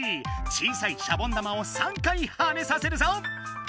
小さいシャボン玉を３回はねさせるぞ！